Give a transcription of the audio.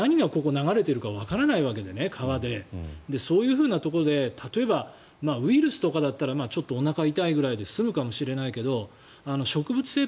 だから、何がここ流れているかわからない側でそういうふうなところで例えばウイルスとかだったらおなか痛いくらいで済むかもしれないけど植物性